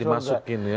itu yang dimasukin ya